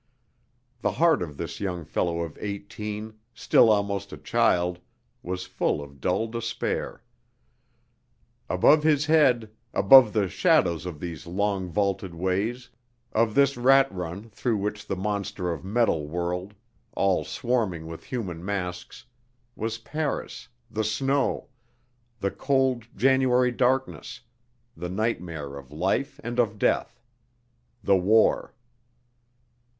The heart of this young fellow of eighteen, still almost a child, was full of a dull despair. Above his head, above the shadows of these long vaulted ways, of this rat run through which the monster of metal whirled, all swarming with human masks was Paris, the snow, the cold January darkness, the nightmare of life and of death the war.